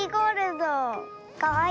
かわいい。